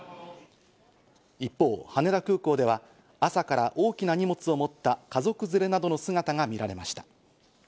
一方、羽田空港では朝から大きな荷物を持った家族連れなどの姿が見られました。